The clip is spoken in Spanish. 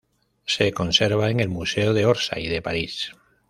Se conserva en el Museo de Orsay de París.